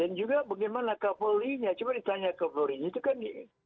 dan juga bagaimana kaplulinya coba ditanya kaplulinya itu kan